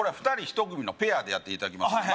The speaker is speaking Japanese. ２人１組のペアでやっていただきます